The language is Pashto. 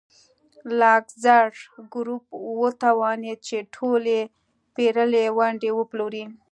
لاکزر ګروپ وتوانېد چې ټولې پېرلې ونډې وپلوري.